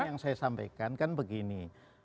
yang saya sampaikan kan begini